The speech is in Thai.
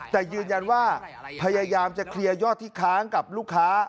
แต่ยืนยันว่าพยายามจะเคลียร์ยอดที่ค้างกับลูกค้า